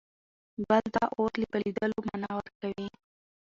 بل د اور له بلېدلو مانا ورکوي.